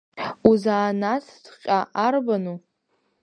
Узанааҭҵәҟьа арбану?